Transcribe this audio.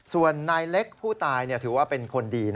ส่วนนายเล็กผู้ตายถือว่าเป็นคนดี